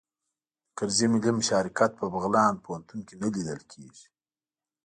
د کرزي ملي مشارکت په بغلان پوهنتون کې نه لیدل کیږي